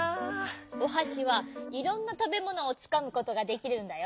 おはしはいろんなたべものをつかむことができるんだよ。